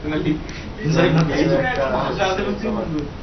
Johnny, কিছু একটা হচ্ছে তোমার।